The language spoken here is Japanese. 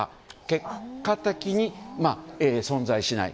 結果的に、存在しない。